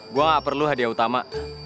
gue gak perlu hadiah utama